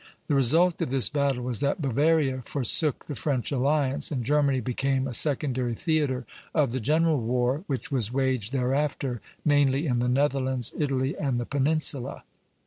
The result of this battle was that Bavaria forsook the French alliance, and Germany became a secondary theatre of the general war, which was waged thereafter mainly in the Netherlands, Italy, and the Peninsula.